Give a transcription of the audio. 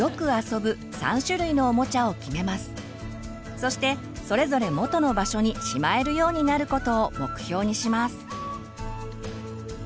そしてそれぞれ元の場所にしまえるようになることを目標にします。